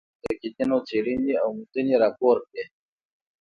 هلته مې د منتقدینو څېړنې او موندنې راپور کړې.